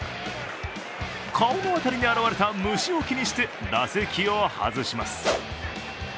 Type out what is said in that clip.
顔の辺りに現れた虫を気にして打席を外します。